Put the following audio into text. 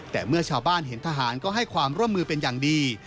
แต่เมื่อชาวบ้านเห็นทหารก็ให้ความร่วมมือเป็นอย่างดี